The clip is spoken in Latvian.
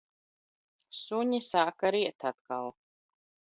Suņi sāka riet atkal.